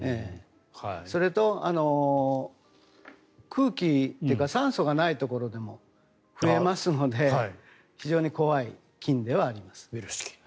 それと空気というか酸素がないところでも増えますので非常に怖い菌ではあります。